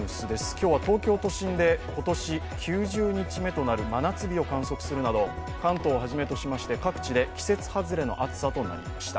今日は東京都心で今年９０日目となる真夏日を観測するなど関東をはじめとしまして、各地で季節外れの暑さとなりました。